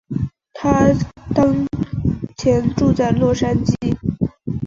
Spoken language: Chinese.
她当前住在洛杉矶。